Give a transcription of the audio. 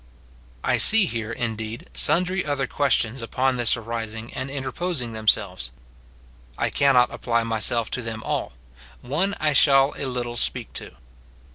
I see here, indeed, sundry other questions upon this arising and interposing themselves. I cannot apply my self to them all : one I shall a little speak to.